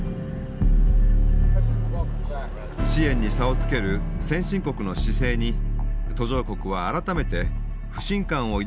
支援に差をつける先進国の姿勢に途上国は改めて不信感を抱いたのだとブレマー氏は言います。